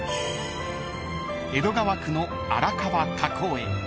［江戸川区の荒川河口へ］